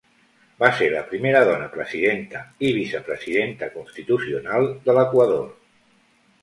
Va ser la primera dona presidenta i vicepresidenta constitucional de l'Equador.